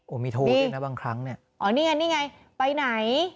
มีโทรด้วยนะบางครั้งเนี่ยอ๋อนี่ไงนี่ไงไปไหน